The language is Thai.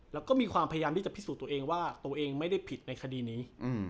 แล้วก็มีความพยายามที่จะพิสูจน์ตัวเองว่าตัวเองไม่ได้ผิดในคดีนี้